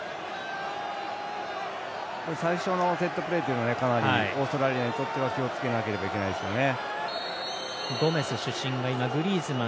最初のセットプレーはオーストラリアにとっては気をつけなければいけないですね。